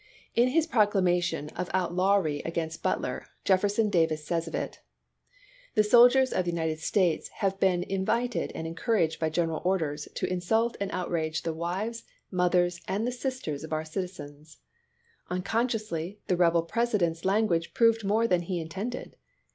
In his proclamation of out lawry against Butler, Jefferson Davis says of it: "The soldiers of the United States have been in Davis, vited and encouraged by general orders to insult tion"^" and outrage the wives, the mothers, and the sisters i^ea. w. r. of our citizens." Unconsciously, the rebel Presi p'^ ' dent's language proved more than he intended.